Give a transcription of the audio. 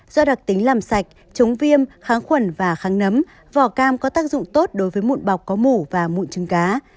do đặc tính làm sạch chống viêm kháng khuẩn và kháng nấm vỏ cam có tác dụng tốt đối với mụn bọc có mủ và mụn trứng cá